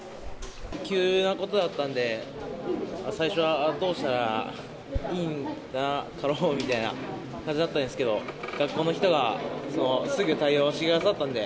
急なことだったので、最初はどうしたらいいんだろうっていう感じだったんですけど、学校の人がすぐ対応してくださったんで。